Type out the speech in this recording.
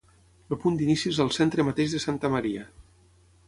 El punt d'inici és al centre mateix de Santa Maria